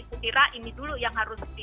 setirah ini dulu yang harus